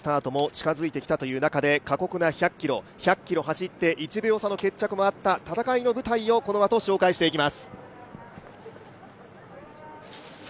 いよいよスタートも近づいてきたという中で過酷な１００ｋｍ走って１秒差の決着もあった、戦いの舞台をこのあと紹介していきます。